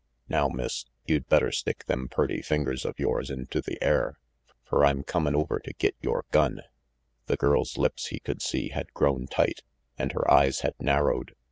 Now, Miss, you'd better stick them purty fingers of yores into the air, fer I'm comin' over to get yore gun." The girl's lips, he could see, had grown tight, and her eyes had narrowed.